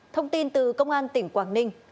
thông tin từ công an tỉnh quảng ninh